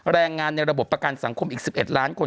แรงงานในระบบประกันสังคมอีก๑๑ล้านคน